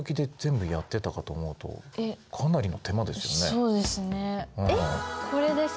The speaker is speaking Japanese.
そうですね。